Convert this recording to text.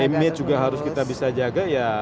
image juga harus kita bisa jaga ya